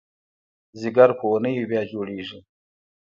جګر په اونیو بیا جوړېږي.